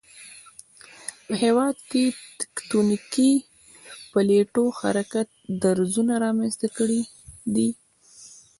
په هېواد کې تکتونیکی پلیټو حرکت درزونه رامنځته کړي دي